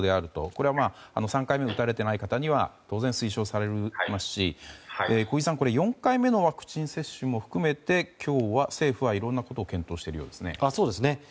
これは３回目を打たれていない方には当然、推奨されますし小木さん４回目のワクチン接種も含めて政府はいろんなことを検討しているようですね。